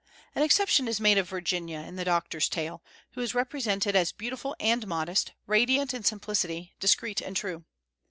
An exception is made of Virginia, in the doctor's tale, who is represented as beautiful and modest, radiant in simplicity, discreet and true.